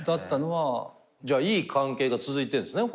じゃあいい関係が続いてるんですね